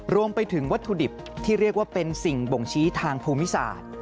วัตถุดิบที่เรียกว่าเป็นสิ่งบ่งชี้ทางภูมิศาสตร์